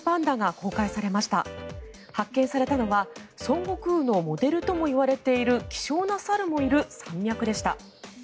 発見されたのは孫悟空のモデルとも言われている希少な猿もいる山脈でした。